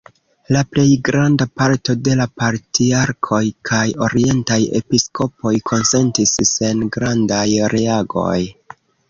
La plej granda parto de la patriarkoj kaj orientaj episkopoj konsentis sen grandaj reagoj.